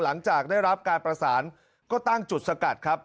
หลังจากได้รับการประสานก็ตั้งจุดสกัดครับ